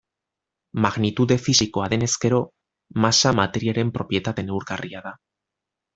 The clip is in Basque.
Magnitude fisikoa denez gero, masa materiaren propietate neurgarria da.